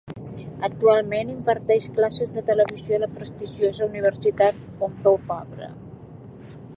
Actualment, imparteix classes de televisió a la prestigiosa Universitat Pompeu Fabra.